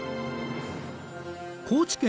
高知県